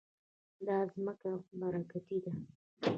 دا ځمکه برکتي ده.